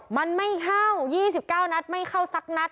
มันไม่เข้า๒๙นัดไม่เข้าสักนัด